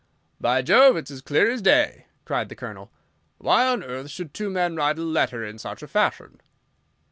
"By Jove, it's as clear as day!" cried the Colonel. "Why on earth should two men write a letter in such a fashion?"